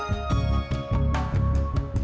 si diego udah mandi